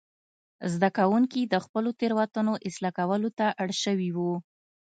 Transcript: زده کوونکي د خپلو تېروتنو اصلاح کولو ته اړ شوي وو.